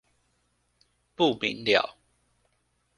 不明瞭